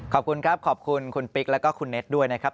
ขอบคุณครับขอบคุณคุณปิ๊กแล้วก็คุณเน็ตด้วยนะครับ